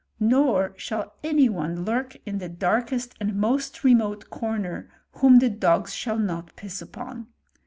Nor shall any one lurk in the darkest and most remote comer whom the dogs shall not piss upon.